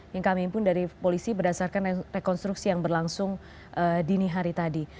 yang kami impun dari polisi berdasarkan rekonstruksi yang berlangsung dini hari tadi